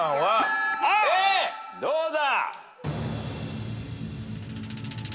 どうだ？